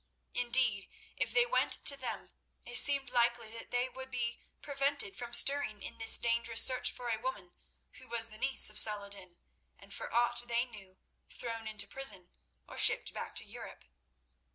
Indeed, if they went to them, it seemed likely that they would be prevented from stirring in this dangerous search for a woman who was the niece of Saladin, and for aught they knew thrown into prison, or shipped back to Europe.